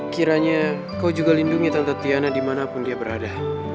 kiranya kau juga lindungi tante tiana dimanapun dia berada